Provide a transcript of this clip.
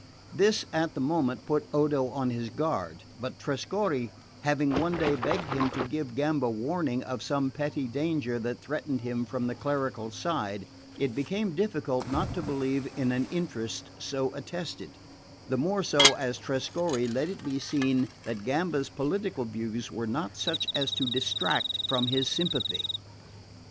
This, at the moment, put Odo on his guard; but Trescorre having one day begged him to give Gamba warning of some petty danger that threatened him from the clerical side, it became difficult not to believe in an interest so attested; the more so as Trescorre let it be seen that Gamba's political views were not such as to distract from his sympathy.